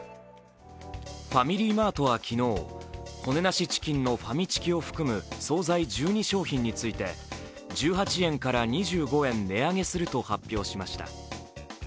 ファミリーマートは昨日、骨なしチキンのファミチキを含む総菜１２商品について、１８円から２５円値上げすると発表しました。